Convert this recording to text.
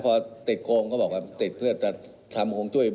พอติดโกงก็บอกว่าติดเพื่อจะทำฮวงจุ้ย